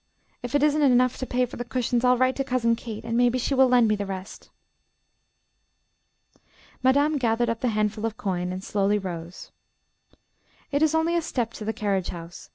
If it isn't enough to pay for the cushions, I'll write to Cousin Kate, and maybe she will lend me the rest." Madame gathered up the handful of coin, and slowly rose. "It is only a step to the carriage house," she said.